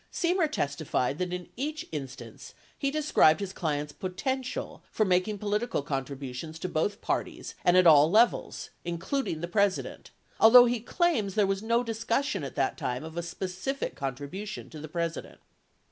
41 Semer testified that in each instance he described his client's "potential" for making political contributions to both parties and at all levels, including the President, although he claims there was no discussion at that time of a specific contribution to the President.